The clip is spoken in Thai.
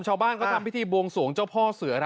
ชาวบ้านเขาทำพิธีบวงสวงเจ้าพ่อเสือนะ